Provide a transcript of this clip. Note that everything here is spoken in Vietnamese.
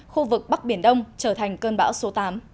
khu vực bắc biển đông trở thành cơn bão số tám